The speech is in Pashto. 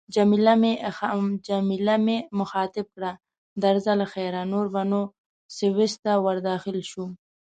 جميله مې مخاطب کړ: درځه له خیره، نور به نو سویس ته ورداخل شو.